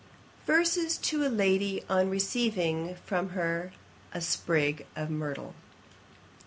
] VERSES to a LADY, on receiving from her a SPRIG of MYRTLE.